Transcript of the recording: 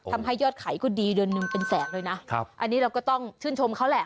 ทำให้ยอดขายก็ดีเดือนหนึ่งเป็นแสนเลยนะครับอันนี้เราก็ต้องชื่นชมเขาแหละ